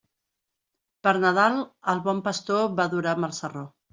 Per Nadal, el bon pastor va a adorar amb el sarró.